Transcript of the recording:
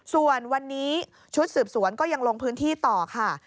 ส่วนวันนี้ชุดสืบสวนก็ยังลงพื้นที่ต่อค่ะ